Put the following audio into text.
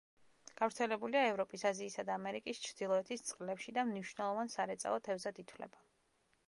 გავრცელებულია ევროპის, აზიისა და ამერიკის ჩრდილოეთის წყლებში და მნიშვნელოვან სარეწაო თევზად ითვლება.